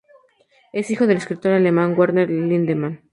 Es hijo del escritor alemán, Werner Lindemann.